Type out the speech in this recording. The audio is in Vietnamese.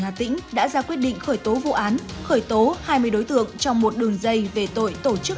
hà tĩnh đã ra quyết định khởi tố vụ án khởi tố hai mươi đối tượng trong một đường dây về tội tổ chức